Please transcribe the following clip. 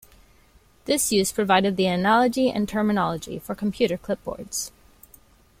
This use provided the analogy and terminology for computer clipboards.